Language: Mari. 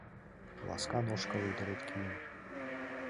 Ласкан ошкыл ӱдырет кӱдынь